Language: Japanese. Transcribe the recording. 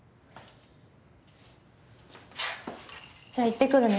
じゃあ行ってくるね。